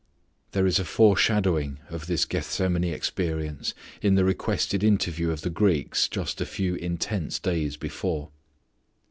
There is a foreshadowing of this Gethsemane experience in the requested interview of the Greeks just a few intense days before.